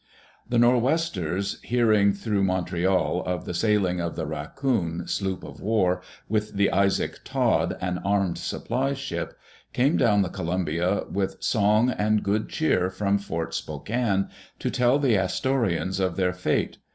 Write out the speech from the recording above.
The Nor'Westers, hearing through Montreal of the sailing of the Racoon, sloop of war, with the Isaac Todd, an armed supply ship, came down the G)lumbia with song and good cheer from Fort Spo kane, to tell the Astorians of their fate.